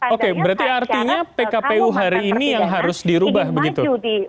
oke berarti artinya pkpu hari ini yang harus dirubah begitu